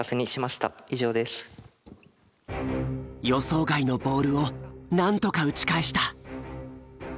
予想外のボールをなんとか打ち返した。